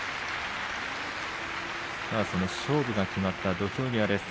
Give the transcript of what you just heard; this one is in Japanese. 勝負が決まった土俵際です。